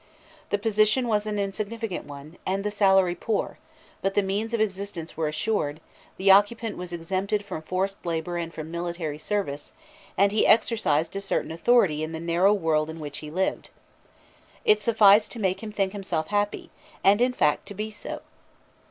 The position was an insignificant one, and the salary poor, but the means of existence were assured, the occupant was exempted from forced labour and from military service, and he exercised a certain authority in the narrow world in which he lived; it sufficed to make him think himself happy, and in fact to be so.